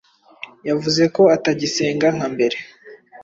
yavuze ko atagisenga nka mbere